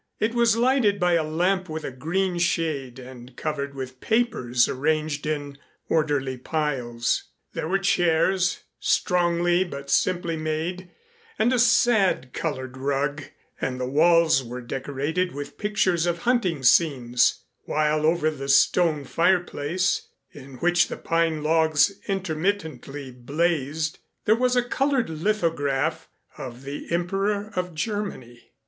It was lighted by a lamp with a green shade and covered with papers arranged in orderly piles. There were chairs, strongly but simply made, and a sad colored rug, and the walls were decorated with pictures of hunting scenes, while over the stone fireplace in which the pine logs intermittently blazed, there was a colored lithograph of the Emperor of Germany.